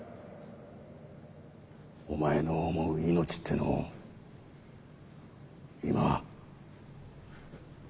お前の思う命ってのを今。